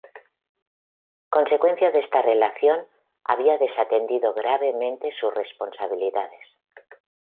Consecuencia de esta relación, había desatendido gravemente sus responsabilidades.